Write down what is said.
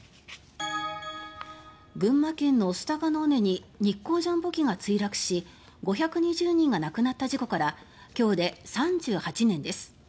群馬県の御巣鷹の尾根に日航ジャンボ機が墜落し５２０人が亡くなった事故から今日で３８年です。